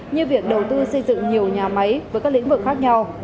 như việc đầu tư xây dựng nhiều nhà máy với các lĩnh vực khác nhau